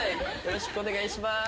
よろしくお願いします。